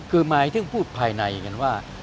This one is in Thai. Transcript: คือหมายถึงพูดภายในอย่างนั้นว่า